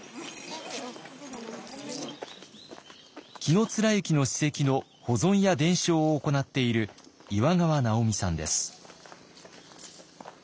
紀貫之の史跡の保存や伝承を行っている岩川直美さんです。